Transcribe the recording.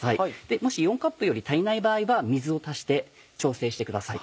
もし４カップより足りない場合は水を足して調整してください。